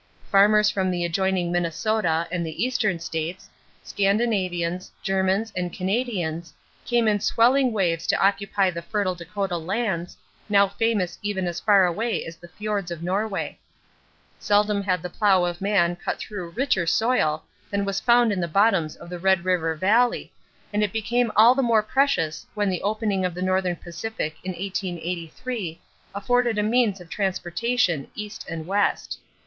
Farmers from the adjoining Minnesota and the Eastern states, Scandinavians, Germans, and Canadians, came in swelling waves to occupy the fertile Dakota lands, now famous even as far away as the fjords of Norway. Seldom had the plow of man cut through richer soil than was found in the bottoms of the Red River Valley, and it became all the more precious when the opening of the Northern Pacific in 1883 afforded a means of transportation east and west.